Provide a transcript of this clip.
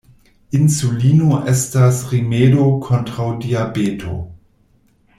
Insulino estas rimedo kontraŭ diabeto.